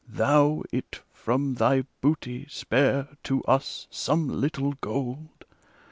Thou It from thy booty spare to us some little gold.